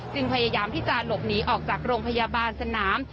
พยายามที่จะหลบหนีออกจากโรงพยาบาลสนาม